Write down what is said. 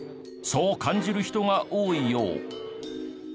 そう感じる人が多いよう。